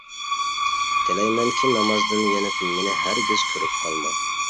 تىلەيمەنكى نامازدىن يېنىپ مېنى ھەرگىز كۆرۈپ قالما!